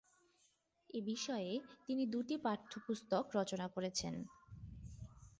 এ বিষয়ে তিনি দুইটি পাঠ্যপুস্তক রচনা করেছেন।